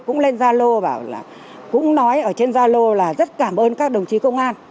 cũng lên gia lô bảo là cũng nói ở trên gia lô là rất cảm ơn các đồng chí công an